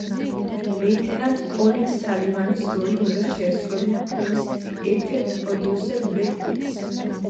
ლეიტენანტ კოლინ სალივანის როლი უნდა შეესრულებინა ფილმის ერთ-ერთ პროდიუსერს, ბრედ პიტს.